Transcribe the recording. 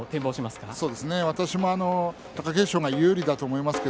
私も貴景勝が有利だと思います。